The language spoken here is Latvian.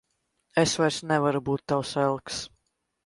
Es vairs nevaru būt tavs elks.